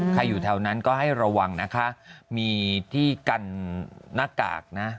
อยู่แถวนั้นก็ให้ระวังนะคะมีที่กันหน้ากากนะ